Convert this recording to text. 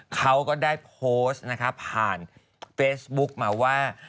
เขาก็ได้โพสต์นะคะผ่านเฟซบุ๊กมาว่า